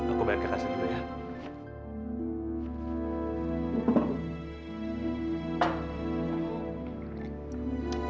aku bayar kekasih dulu ya